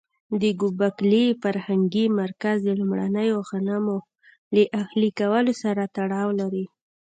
د ګوبک لي فرهنګي مرکز د لومړنیو غنمو له اهلي کولو سره تړاو لري.